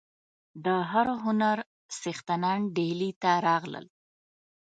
د هر هنر څښتنان ډهلي ته راغلل.